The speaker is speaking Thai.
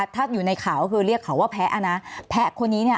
ถ้าอยู่ในข่าวคือเรียกข่าวว่าแผ๊ะอันน้า